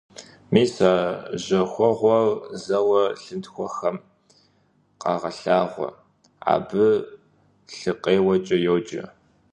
Мис а жьэхэуэгъуэр зэуэ лъынтхуэхэм къагъэлъагъуэ, абы лъыкъеуэкӀэ йоджэ.